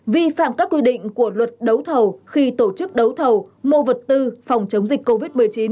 vi phạm các quy định của luật đấu thầu khi tổ chức đấu thầu mua vật tư phòng chống dịch covid một mươi chín